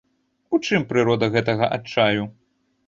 У чым прырода гэтага адчаю?